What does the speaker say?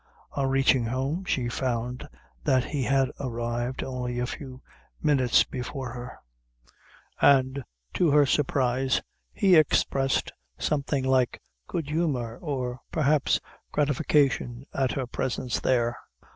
On reaching home, she found that he had arrived only a few minutes before her; and to her surprise he expressed something like; good humor, or, perhaps, gratification at her presence there.